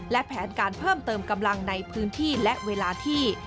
และแผนการเพิ่มเติมกำลังในพื้นที่และเวลาที่